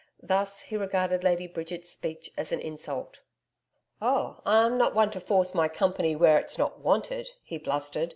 Thus he regarded Lady Bridget's speech as an insult. 'Oh, I'm not one to force my company where it is not wanted,' he blustered.